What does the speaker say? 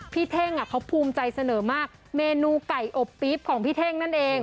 เท่งเขาภูมิใจเสนอมากเมนูไก่อบปี๊บของพี่เท่งนั่นเอง